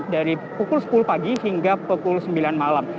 dari pukul sepuluh pagi hingga pukul sembilan malam